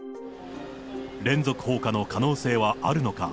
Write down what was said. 連続放火の可能性はあるのか。